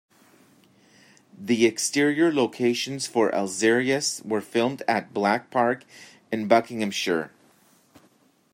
The exterior locations for Alzarius were filmed at Black Park in Buckinghamshire.